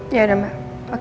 ya udah mbak oke